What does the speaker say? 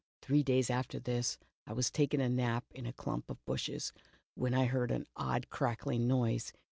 "Three days after this, I was taking a nap in a clump of bushes, when I heard an odd crackling noise.